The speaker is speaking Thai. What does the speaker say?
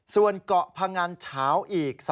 ส่วนเกาะพงันเฉาอีก